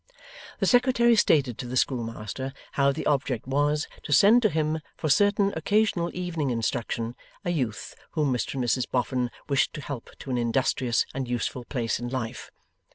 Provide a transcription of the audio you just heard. The Secretary stated to the schoolmaster how the object was, to send to him for certain occasional evening instruction, a youth whom Mr and Mrs Boffin wished to help to an industrious and useful place in life.